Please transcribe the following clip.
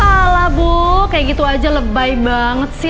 kalah bu kayak gitu aja lebay banget sih